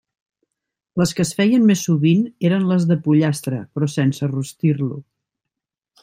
Les que es feien més sovint eren les de pollastre, però sense rostir-lo.